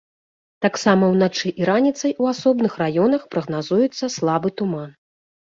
Таксама ўначы і раніцай у асобных раёнах прагназуецца слабы туман.